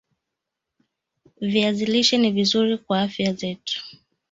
viazi lishe ni vizuri kwa afya zetu